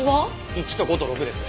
１と５と６です。